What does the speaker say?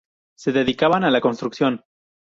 Se dedicaban a la construcción.